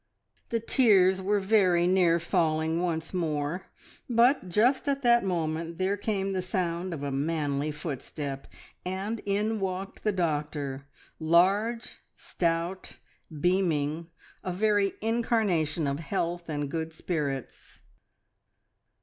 The tears were very near falling once more, but just at that moment there came the sound of a manly footstep, and in walked the doctor, large, stout, beaming, a very incarnation of health and good spirits.